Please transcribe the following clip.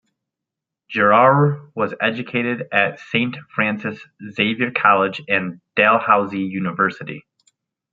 Girroir was educated at Saint Francis Xavier College and Dalhousie University.